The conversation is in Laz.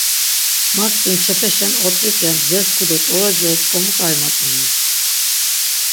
Ma k̆vinçepeşen ot̆rik̆e, mzesku do t̆oroci oç̆k̆omu k̆ai matzonen.